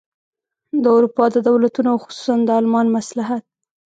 د اروپا د دولتونو او خصوصاً د المان مصلحت.